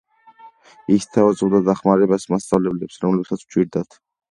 ის სთავაზობდა დახმარებას მასწავლებლებს რომლებსაც უჭირდათ.